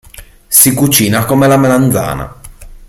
Si cucina come la melanzana.